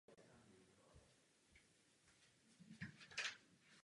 Wake je také jméno největšího ostrova atolu.